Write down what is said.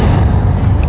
kau tidak tahu